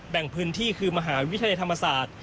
แบ่งพื้นที่คือมหาวิทยาลัยธรรมศาสตร์